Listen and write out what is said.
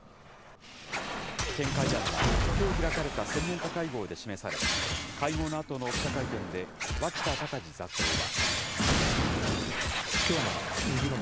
見解案は、きょう開かれた専門家会合で示され、会合のあとの記者会見で、脇田隆字座長は。